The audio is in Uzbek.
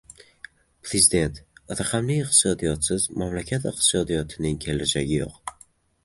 Prezident: Raqamli iqtisodiyotsiz mamlakat iqtisodiyotining kelajagi yo‘q